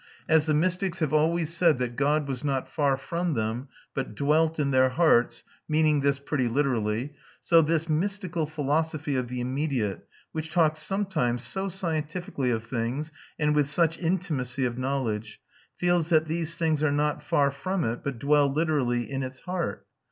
As the mystics have always said that God was not far from them, but dwelt in their hearts, meaning this pretty literally: so this mystical philosophy of the immediate, which talks sometimes so scientifically of things and with such intimacy of knowledge, feels that these things are not far from it, but dwell literally in its heart.